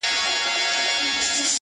• در جارېږمه سپوږمیه راته ووایه په مینه,